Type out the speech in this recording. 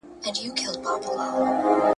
زه پرون چايي وڅښلې؟